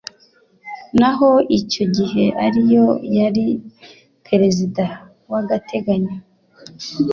naho icyo gihe ariyo yari Perezida w’agateganyo